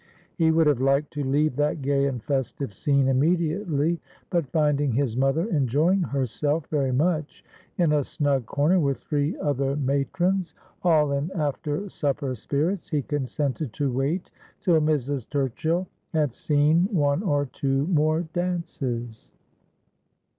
He would have liked to leave that gay and festive scene immediately ; but finding his mother enjoying herself very much in a snug corner with three other matrons, all in after supper spirits, he consented to wait till Mrs. Turchill had seen one or two more dances.